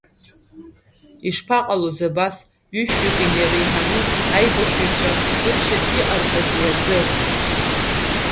Ишԥаҟалоз абас, ҩышәҩык инареиҳаны аибашьыҩцәа ыршьас иҟарҵазеи аӡы?